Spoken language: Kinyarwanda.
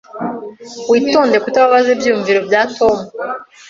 Witondere kutababaza ibyiyumvo bya Tom.